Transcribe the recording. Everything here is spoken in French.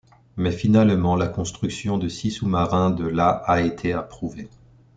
Mais finalement la construction de six sous-marins de la a été approuvée.